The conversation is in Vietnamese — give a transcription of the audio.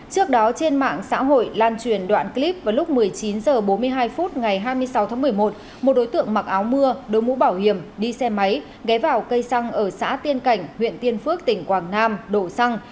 trước đó trên mạng xã hội lan truyền đoạn clip vào lúc một mươi chín h bốn mươi hai phút ngày hai mươi sáu tháng một mươi một một đối tượng mặc áo mưa đối mũ bảo hiểm đi xe máy ghé vào cây xăng ở xã tiên cảnh huyện tiên phước tỉnh quảng nam đổ xăng